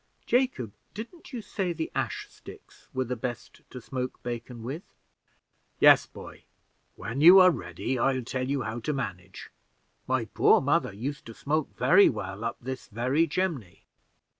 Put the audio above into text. Jacob, didn't you say the ash sticks were the best to smoke bacon with?" "Yes, boy: when you are ready, I'll tell you how to manage. My poor mother used to smoke very well up this very chimney."